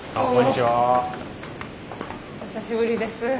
お久しぶりです。